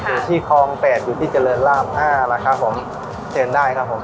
อยู่ที่คลองแปดอยู่ที่เจริญราบห้าแล้วครับผมเชิญได้ครับผม